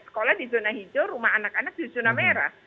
sekolah di zona hijau rumah anak anak di zona merah